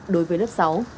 đối với lớp sáu